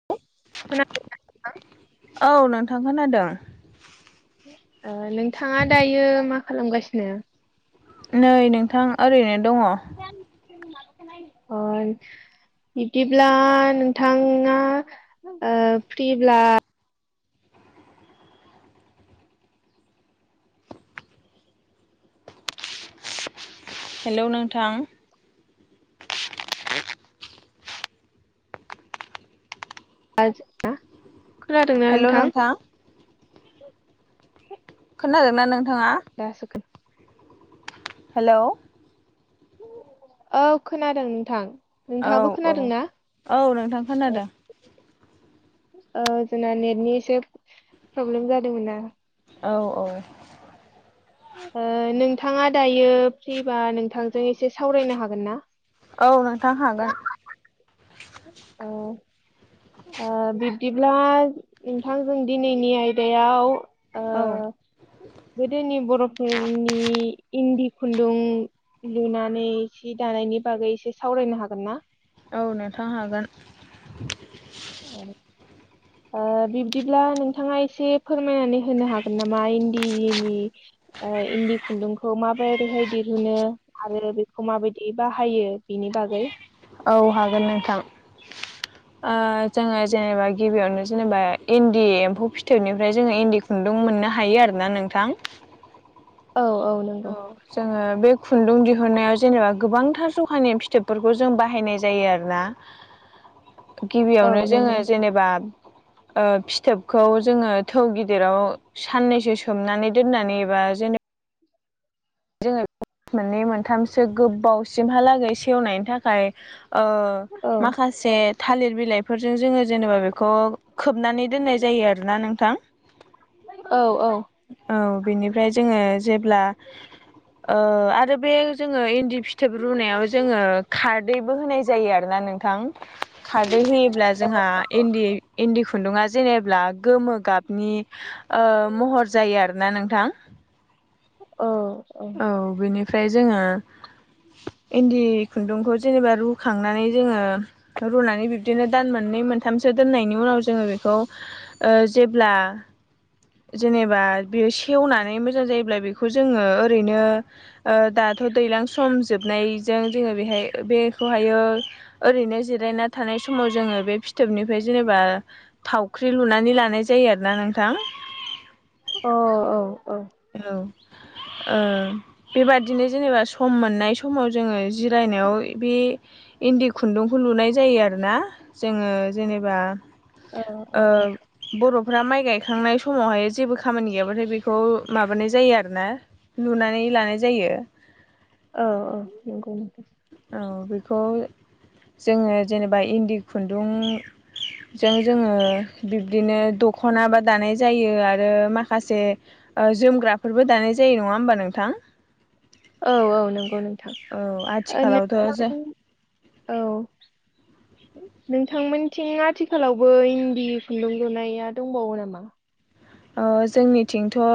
[unintelligible] खोनादों [unintelligible] औ नोंथां खोनादों। ओ नोंथाङा दायो मा खालामगासिनो? नै नोंथां ओरैनो दङ अ बिब्दिब्ला नोंथाङा ओ फ्रिब्ला हेलौ नोंथां [unintelligible] [unintelligible] खोनादोंना नोंथां खोनादोंना नोंथाङा [unintelligible] हेल' औ खोनादों नोंथां औ नोंथाङाबो खोनादों औ ना औ नोंथां औ खोनादों औ जोंना नेटनि एसे प्रब्लेम जादोंमोना औ औ ओ नोंथाङा दायो फ्रिबा नोंथांजों एसे सावरायनो हागोन ना औ नोंथां हागोन अ ओ बिब्दिब्ला नोंथांजों दिनैनि आयदायाव औ ओ गोदोनि बर'फोरनि इन्दि खुन्दुं लुनानै सि दानायनि बागै एसे सावरायनो हागोन ना औ नोंथां हागोन औ ओ बिब्दिब्ला नोंथाङा एसे फोरमायनानै होनो हागोन नामा इन्दिनि ओ इन्दि खुन्दुंखौ माबोरैहाय दिहुनो आरो बेखौ माबायदि बाहायो बिनि बागै औ हागोन नोंथां जोङो जेनेबा गिबियावनो जेनेबा इन्दि एम्फौ फिथोबनिफ्राय जोङो इन्दि खुन्दुं मोननो हायो आरोना नोंथां औ औ नों औ जोङो बे खुन्दुं दिहुन्नायाव जेनेबा गोबांथार जखानि फिथोबफोरखौ जों बाहायनाय जायो आरोना [unintelligible] औ गिबियावनो नंगौ जोङो नोंथां जेनेबा ओ फिथोबखौ जोङो थौ गिदिराव साननैसो सोमनानै दोननानै एबा जेनबा जोङो [unintelligible] मोननै मोनथामसो गोबावसिमहालागै सेवनायनि थाखाय ओ औ माखासे थालिर बिलाइफोरजों जोङो जेनेबा बेखौ खोबनानै दोननाय जायो आरोना नोंथां औ औ औ बेनिफ्राय जोङो जेब्ला ओ आरो बे जोङो इन्दि फिथोब रुनायाव जोङो खारदैबो होनाय जायो आरोना नोंथां खारदै होयोब्ला जोंहा इन्दि इन्दि खुन्दुङआ जेनेबा गोमो गाबनि ओ महर जायो आरोना नोंथां अ' औ बेनिफ्राय जोङो इन्दि खुन्दुंखौ जेनेबा रुखांनानै जोङो रुनानै बिब्दिनो दान मोननै मोनथामसो दोननायनि उनाव जोङो बेखौ ओ जेब्ला जेनेबा बेयो सेवनानै मोजां जायोब्ला बेखौ जोङो ओरैनो दाथ' दैज्लां सम जोबनायजों जोङो बेहाय बेखौहायो ओरैनो जिरायना थानाय समाव जोङो बे फिथोबनिफ्राय जेनेबा थावख्रि लुनानै लानाय जायो आरो ना नोंथां अ' औ औ हेलौ ओ बेबादिनो जेनेबा सम मोननाय समाव जोंङो जिरायनायाव बे इन्दि खुन्दुंखौ लुनाय जायो आरो ना जोंङो जेनेबा ओ औ बर'फ्रा माइ गायखांनाय समावहाय जेबो खामानि गैयाबाथाय बेखौ माबानाय जायो आरोना लुनानै लानाय जायो। औ औ नंगौ नोंथां औ बेखौ जोंङो जेनेबा इन्दि खुन्दुं जों जोंङो बिब्दिनो दखनाबो दानाय जायो आरो माखासे जोमग्राफोरबो दानाय जायो नङा होमबा नोंथां। औ औ नंगौ नोंथां आ थिखालावथ' जों औ नोंथांमोननिथिं आथिखालावबो इन्दि खुन्दुं लुनाया दंबावो नामा। अ जोंनिथिंथ' ओ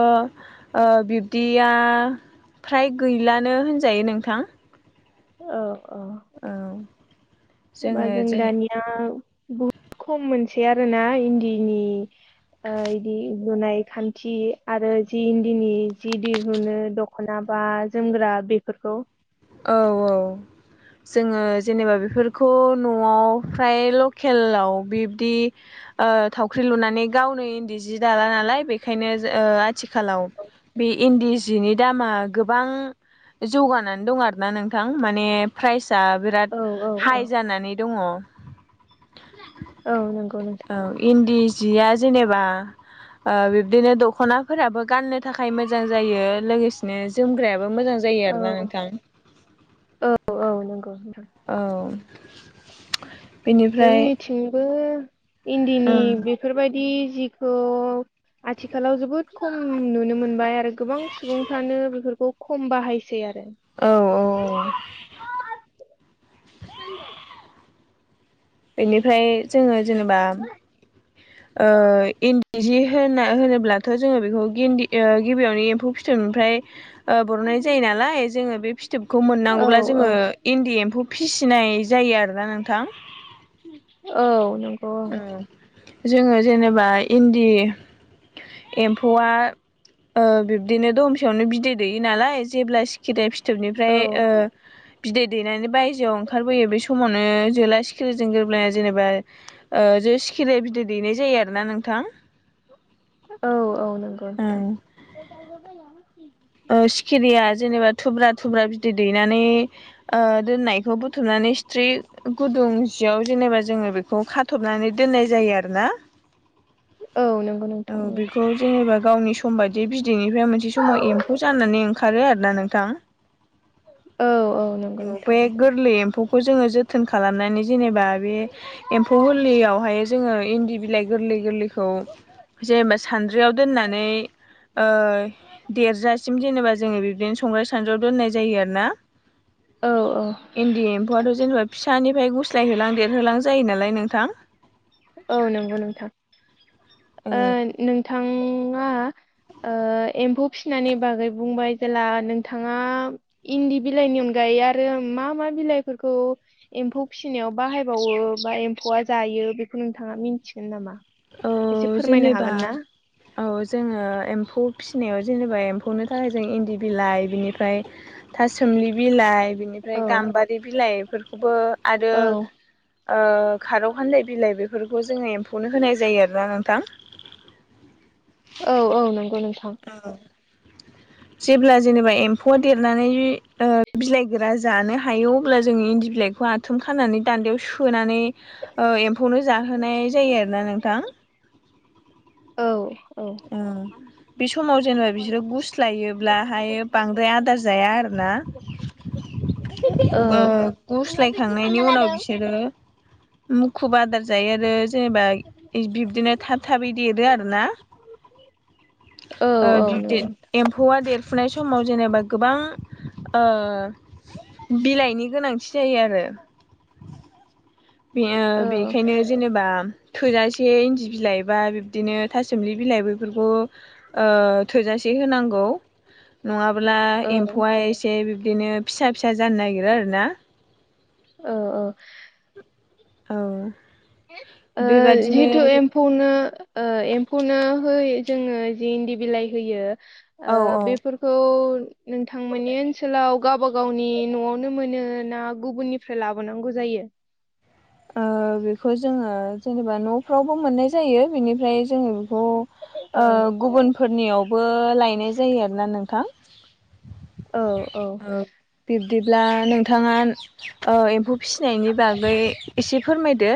बिब्दिया फ्राय गैलानो होनजायो नोंथां औ औ औ होमबा जोङो जों जेने दानिया बहुद खम मोनसेै आरोना इन्दिनि ओ इदि लुनाय खान्थि आरो जि इन्दिनि जि दिहुनो दख दख'ना बा जोमग्रा बेफोरखौ औ औ जोंङो जेनेबा बेफोरखौ न'आव फ्राय लकेलाव बिब्दि ओ थावख्रि लुनानै गावनो इन्दि जि दाला नालाय बेखायनो आथिखालाव बे इन्दि जिनि दामा गोबां जौगानानै दं आ रोना नोंथां माने प्राइजआ बिराद औ औ औ हाइ जानानै दङ औ नंगौ नोंथां औ इन्दि जिया जेनेबा ओ बिब्दिनो दख'नाफोराबो गाननो थाखाय मोजां जायो लोगोसे नो जोमग्रायाबो मोजां जायो आरोना औ नोंथां। औ औ नंगौ नोंथां औ बेनिफ्राय जोंनिथिंबो इन्दिनि ओं बेफोरबायदि जिखौ आथिखालाव जोबोद खम नुनो मोनबाय आरो गोबां सुबुंफ्रानो बेफोरखौ खम बाहाय सै आरो औ औ बेनिफ्राय जोंङो जेनेबा [inaudible] ओ इन्दि जि होना होनोब्लाथ' जोंङो बेखौ इन्दि गिबियावनो एम्फौ फिथोबनिफ्राय ओ बर'ननाय जायो नालाय जोङो बे फिथोबखौ औ मोननांगौब्ला जोंङो औ इन्दि एम्फौ फिसिनाय जायो आरोना नोंथां। औ नंगौ औ ओं जोंङो जेनेबा इन्दि एम्फौआ ओ बिब्दिनो दमसेयावनो बिदै दैयो नालाय जेब्ला खिदे फिथोबनिफ्राय औ ओ बिदै दैनानै बायजोआव ओंखारबोयो बे समावनो जोला सिखिरिजों गोरोबलायना जेनेबा ओ जो सिखिरिया बिदै दैनाय जायो आरोना नोंथां। औ औ नंगौ नोंथां ओं ओ सिखिरिया जेनेबा थुब्रा थुब्रा बिदै दैनानै ओ दोननायखौ बुथुमनानै सिथ्रि गुदुं जियाव जेनेबा जोंङो बेखौ खा थबनानै दोननाय जायो आरोना। [inaudible] औ नंगौ औ नोंथां बेखौ जेनेबा गावनि सम बायदि बिदैनिफ्राय मोनसे समाव एम फौ जानानै ओंखारो आरोना नोंथां औ नंगौ औ नोंथां बै गोरलै एम्फौखौ जोङो जोथोन खालामनानै जेनेबा बे एम्फौ गोरलैयावहाय जोङो इन्दि बिलाइ गोरलै गोरलैखौ जेनेबा सान्द्रियाव दोननानै ओ देरजासे सिम जेनेबा जोङो बिदिनो संग्राय सानद्रियाव दोननाय जायो आरो ना। औ औ इन्दि एम्फौआथ' जेन'बा फिसानिफ्राय गुस्लायहोलां देरहोलां जायो नालाय नोंथां। औ नंगौ नोंथां ओ नोंथाङा आ ओ एम्फौ फिसिनायनि बागै बुंबाय जेला नोंथाङा इन्दि बिलाइनि अनगायै आरो मा मा बिलाइफोरखौ एम्फौ फिसिनायाव बाहायबावो बा एम्फौआ जायो बेखौ नोंथाङा मिथिगोन नामा? औ एसे फोरमायनो जेनेबा हागोन ना? औ जोङो एम्फौ फिसिनायाव जेनेबा एम्फौनि थाखाय जों इन्दि बिलाइ बिनिफ्राय थासुमलि बिलाइ बिनिफ्राय औ गाम्बारि बिलाइफोरखौबो आरो औ ओ खारखान्दाइ बिलाइ बेफोरखौ जोङो एम्फौनो होनाय जायो आरोना नोंथां। औ औ नंगौ नोंथां। औ जेब्ला जेनेबा एम्फौआ देरनानै ओ बिलाइ गोरा जानो हायो अब्ला जोङो इन्दि बिलाइखौ आथुम खानानै दान्दायाव सोननै ओ एम्फौनो जाहोनाय जायो आरोना नोंथां। औ औ ओ बे समाव जेनेबा बिसोरो गुस्लायोब्लाहाय बांद्राय आदार जाया आरोना। [inaudible] औ ओ गुस्लायखांनायनि उनाव बिसोरो मुखुब आदार जायो आरो जेनेबा बिब्दिनो था थाबै देरो आरोना। औ ओ औ नंगौ गिदिद नोंथां एम्फौआ देरफुनाय समाव जेनेबा गोबां ओ बिलाइनि गोनांथि जायो आरो बेयो औ बेखायनो जेनेबा थोजासे इन्दि बिलाइ बा बिब्दिनो थासुमलि बिलाइ बेफोरखौ ओ थोजासे होनांगौ नङाब्ला औ एम्फौआ एसे से बिब्दिनो फिसा फिसा जानो नागिरो आरो ना। ओ औ ओ ओ जिहेथु एम फौनो ओ एम्फौनो हो जोङो जि इन्दि बिलाइ होयो। औ ओ औ बेफोरखौ नोंथांमोननि ओनसोलाव गावब गावनि न'आवनो मोनो ना गुबुननिफ्राय लाबोनांगौ जायो। ओ बेखौ जोङो जेनेबा न'फ्रावबो मोननाय जायो बिनिफ्राय जोङो बेखौ औ गुबुनफोरनियावबो लायनाय जायो आरोना नोंथां। औ औ ओ बिब्दिब्ला नोंथाङा ओ एम्फौ फिसिनायनि बागै एसे फोरमायदो।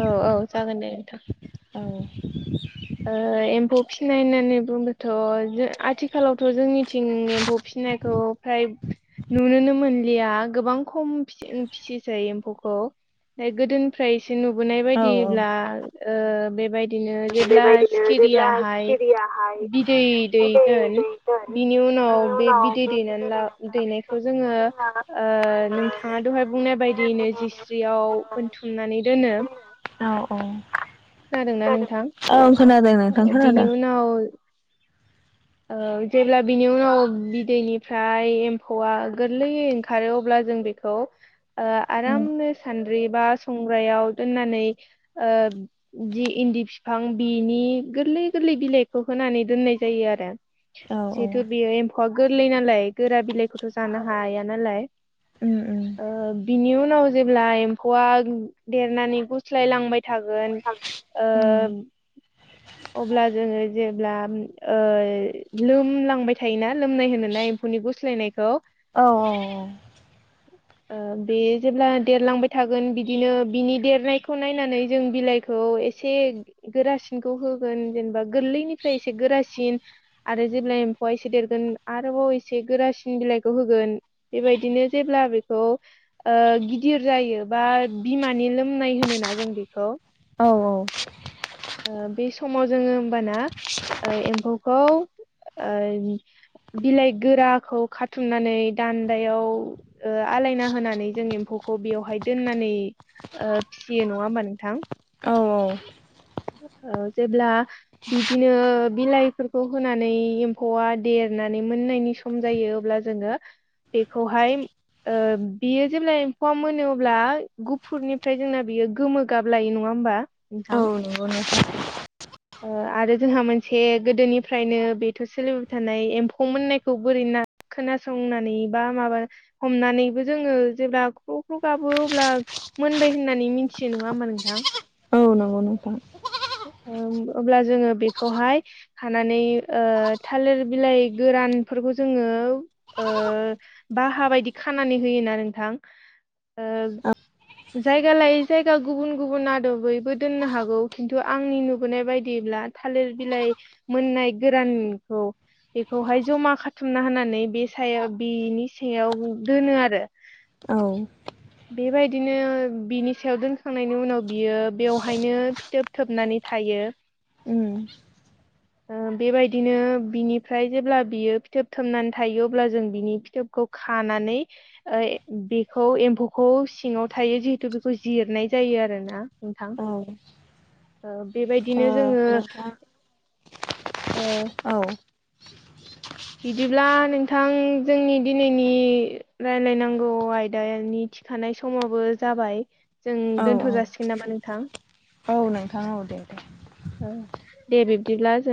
औ औ जागोन दे नोंथां। औ ओ एम्फौ फिसिनाय होननानै बुंबाथ' जों आथिखालावथ' जोंनिथिं एम्फौ फिसिनायखौ फ्राय नुनोनो मोनलिया गोबां खम फिसिसै एम्फौखौ फ्राय गोदोनि ओमफ्राय एसे नुबोनाय ओ औ औ बायदिब्ला बेबायदिनो जेब्ला सिखिरियहाय बिदै दैगोन। बिनि उनाव बे बिदै दैनानै ला दैनायखौ जोङो ओ नोंथां थांआ दहाय बुंनाय बायदियैनो जिस्रियाव बोनथुमनानै दोनो। औ औ खोनादोंना नोंथां? ओं खोनादों नोंथां बिनि खोनादों उनाव जेब्ला बिनि उनाव बिदैनिफ्राय एम्फौआ गोरलैै ओंखारो अब्ला जों बे खौ आरामनो सान्द्रि बा संग्रायाव दोननानै ओ जि इन्दि बिफां बिनि गोरलै गोरलै बिलाइखौ होनानै दोननाय जायो आरो। औ औ जिहेथु बेयो एम्फौआ गोरलै नालाय गोरा बिलाइखौथ' जानो हाया नालाय। उम उम ओ बिनि उनाव जेब्ला एम्फौआ देरनानै गुस्लाय लांबाय थागोन [inaudible] ओ अब्ला जोङो जेब्ला लोमलांबाय थायोना लोमनाय होनो ना एम्फौनि गुस्लायनायखौ। औ औ औ [inaudible] बे जेब्ला देरलांबाय थागोन बिदिनो बिनि देरनायखौ नायनानै जों बिलाइ खौ एसे गोरासिनखौ होगोन जेनेबा गोरलैनिफ्राय एसे गोरासिन आरो जेब्ला एम्फौआ एसे देरगोन आरोबाव एसे गोरासिन बिलाइखौ होगोन। बेबायदिनो जेब्ला बेखौ गिदिर जायो बा बिमानि लोमनाय होनोना जों बेखौ। औ औ बे समाव जोङो होमबाना एम्फौखौ ओ बिलाइ गोराखौ खाथुमनानै दान्दायाव आलायना होनानै जों एम्फौखौ बेवहाय दोननानै फिसियो नङा होमबा नोंथां? औ औ ओ जेब्ला बिदिनो बिलाइफोरखौ होनानै एम्फौआ देरनानै मोननायनि सम खम जायो अब्ला जोङो बेखौहाय बियो जेब्ला एम्फौआ मोनो अब्ला गुफुरनिफ्राय जोंना बियो गोमो गाब लायो नङा होमबा नोंथां? नोंगौ नोंथां। आरो जोंहा मोनसे गोदोनिफ्रायनो बेथ' सोलिबोबाय थानाय एम्फौ मोननायखौ बोरै ना खोनासंनानै बा माबा हमनानैबो जोङो जेब्ला ख्रुब ख्रु गाबो अब्ला मोनबाय होननानै मिथियो नङा होनबा नोंथां। औ नंगौ नोंथां। अब्ला जोङो बेखौहाय खानानै थालिर बिलाइ गोरानफोरखौ जोङो ओ बाहा बायदि खानानै होयोना नोंथां। जायगा लायै जायगा गुबुन गुबुन आदबैबो दोननो हागौ। खिन्थु आंनि नुबोनाय बायदिब्ला थालिर बिलाइ मोननाय गोरानखौ बेखौहाय जमा खाथुमना होनानै बे सायाव बेनि सायाव दोनो आरो। औ बेबायदिनो बिनि सायाव दोनखांनायनि उनाव बियो बेवहायनो फिथोब थोबनानै थायो। उम बेबायदिनो बिनिफ्राय जेब्ला बियो फिथोब थोबनानै थायो अब्ला जों बिनि फिथोबखौ खानानै बेखौ एम्फौखौ सिङाव थायो जिहेथु बेखौ जिरनाय जायो आरो ना नोंथां। औ ओ ओ बेबायदिनो जोङो नोंथां ओ औ बिदिब्ला नोंथां जोंनि दिनैनि रायलायनांगौ आयदानि थि थानाय समावो जाबाय जों औ दोनथ' जासिगोन नामा नोंथां? औ नोंथां औ दे दे औ दे बिब्दिब्ला जों